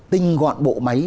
tinh gọn bộ máy